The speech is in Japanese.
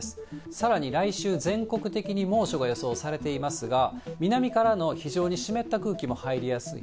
さらに来週、全国的に猛暑が予想されていますが、南からの非常に湿った空気も入りやすい。